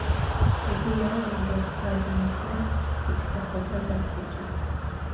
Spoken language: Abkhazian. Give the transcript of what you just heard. Игәы иаланы дрыхцәажәон еснагь ицәҭахақәаз аҷкәынцәа.